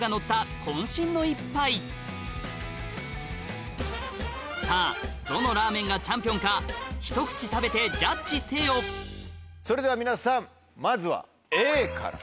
渾身の一杯さぁどのラーメンがチャンピオンかひと口食べてジャッジせよそれでは皆さんまずはＡから。